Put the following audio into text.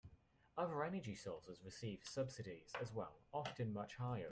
Other energy sources receive subsidies as well, often much higher.